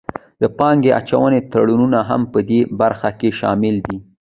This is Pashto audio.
د پانګې اچونې تړونونه هم پدې برخه کې شامل دي